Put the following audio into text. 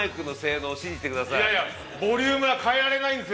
いやいやボリュームは変えられないんですよ